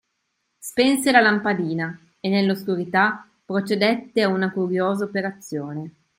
Spense la lampadina e, nell'oscurità, procedette a una curiosa operazione.